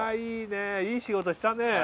いい仕事したね。